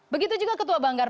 begitu juga ketua banggar